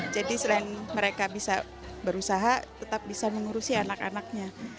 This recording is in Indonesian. jadi selain mereka bisa berusaha tetap bisa mengurusi anak anaknya